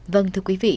vâng thưa quý vị